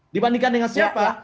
dibandingkan dengan siapa